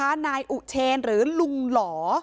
นายอุเชนหรือลุงหล่อ